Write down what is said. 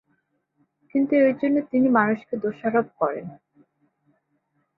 কিন্তু এরজন্য তিনি মানুষকে দোষারোপ করেন।